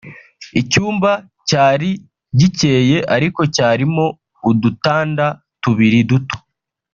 Icyumba cyari gikeye ariko cyarimo udutanda tubiri duto